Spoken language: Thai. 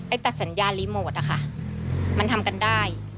ตัดสัญญารีโมทอะค่ะมันทำกันได้